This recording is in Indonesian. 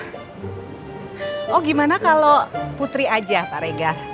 kalo gimana kalo putri aja pak regar